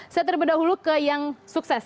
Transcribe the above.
saya terlebih dahulu ke yang sukses